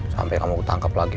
sampai kamu ditangkap lagi